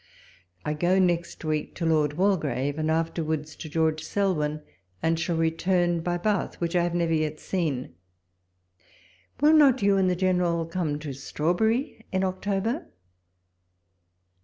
I go next week to Lord Waldegrave, and afterwards to George Selwyn, and shall return by Bath, which I have never yet seen. Will not you and the General come to Strawberry in October?